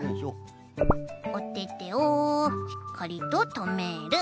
おててをしっかりととめる。